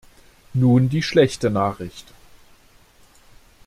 Nun die schlechte Nachricht.